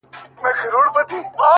ولي مي هره شېبه! هر ساعت په غم نیسې!